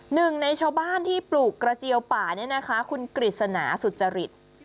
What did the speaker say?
หนึ่งในชาวบ้านที่ปลูกกระเจียวป่านี่นะคะคุณกฤษณาสุจริต